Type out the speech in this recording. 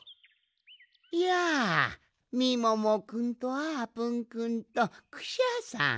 やあみももくんとあーぷんくんとクシャさん。